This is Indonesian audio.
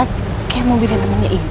kayak mau bawa temennya ibu